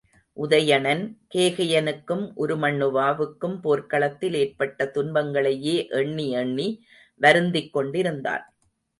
உதயணன், கேகயனுக்கும் உருமண்ணுவாவுக்கும் போர்க் களத்தில் ஏற்பட்ட துன்பங்களையே எண்ணி எண்ணி வருந்திக் கொண்டிருந்தான்.